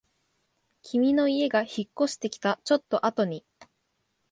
君の家が引っ越してきたちょっとあとに